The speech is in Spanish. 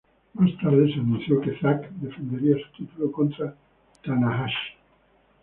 Más tarde se anunció que Zack defendería su título contra Tanahashi.